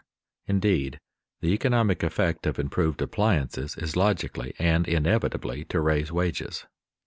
_Indeed, the economic effect of improved appliances is logically and inevitably to raise wages.